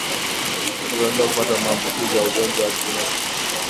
Watu wanaweza kupata maambukizi ya ugonjwa wa kimeta